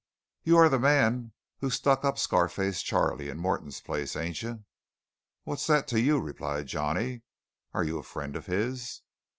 "You are the man who stuck up Scar face Charley in Morton's place, ain't you?" "What's that to you?" replied Johnny. "Are you a friend of his?"